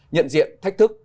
nhận diện thách thức